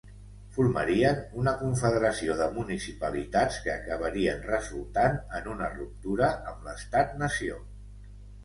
Formarien una confederació de municipalitats que acabarien resultant en una ruptura amb l'Estat-nació.